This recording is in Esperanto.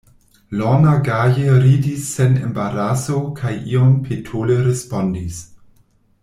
Lorna gaje ridis sen embaraso kaj iom petole respondis: